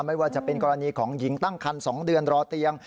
ไม่ว่าจะเป็นกรณีของหญิงตั้งคัน๒เดือนรอเตียง